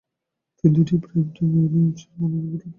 তিনি দুটি প্রাইমটাইম এমি পুরস্কারের মনোনয়ন লাভ করেন।